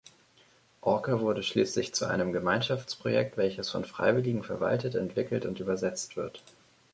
Orca wurde schließlich zu einem Gemeinschaftsprojekt, welches von Freiwilligen verwaltet, entwickelt und übersetzt wird.